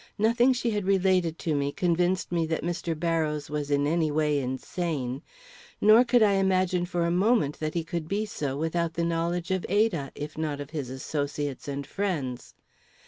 Nothing she had related to me convinced me that Mr. Barrows was in any way insane; nor could I imagine for a moment that he could be so without the knowledge of Ada, if not of his associates and friends.